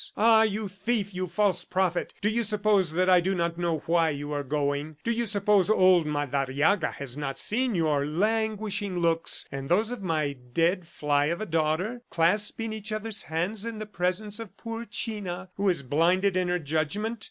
"Ah, you thief, you false prophet! Do you suppose that I do not know why you are going? Do you suppose old Madariaga has not seen your languishing looks and those of my dead fly of a daughter, clasping each others' hands in the presence of poor China who is blinded in her judgment?